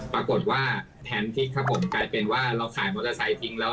ปรากฏว่าทั้งที่กูเป็นว่าเราขายมอเตอร์ไซต์ทิ้งแล้ว